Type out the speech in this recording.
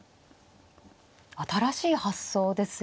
新しい発想ですよね。